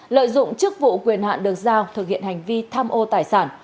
lợi dụng chức vụ quyền hạn được giao thực hiện hành vi tham ô tài sản